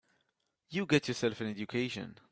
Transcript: You get yourself an education.